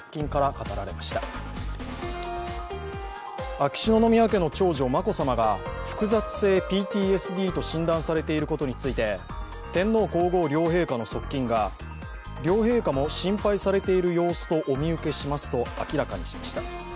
秋篠宮家の長女、眞子さまが複雑性ＰＴＳＤと診断されていることについて天皇・皇后両陛下の側近が両陛下も心配されている様子とお見受けしますと明らかにしました。